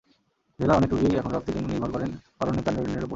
জেলার অনেক রোগী এখন রক্তের জন্য নির্ভর করেন অরণ্যে তারুণ্যের ওপর।